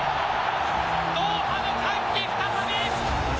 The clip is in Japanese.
ドーハの歓喜再び！